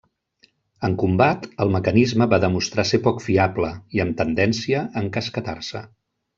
En combat, el mecanisme va demostrar ser poc fiable i amb tendència a encasquetar-se.